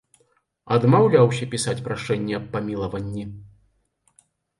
Адмаўляўся пісаць прашэнне аб памілаванні.